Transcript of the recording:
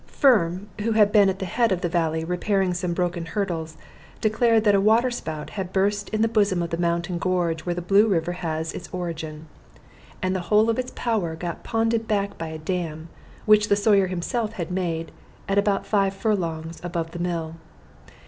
Firm, who had been at the head of the valley, repairing some broken hurdles, declared that a water spout had burst in the bosom of the mountain gorge where the Blue River has its origin, and the whole of its power got ponded back by a dam, which the Sawyer himself had made, at about five furlongs above the mill.